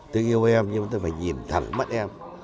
tôi yêu em nhưng mà tôi phải nhìn thẳng mắt em